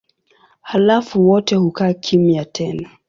Halafu wote hukaa kimya tena.